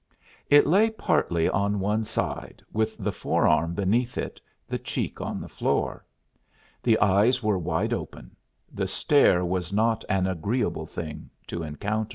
It lay partly on one side, with the forearm beneath it, the cheek on the floor. The eyes were wide open; the stare was not an agreeable thing to encounter.